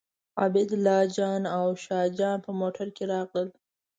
عبیدالله جان او شاه جان په موټر کې راغلل.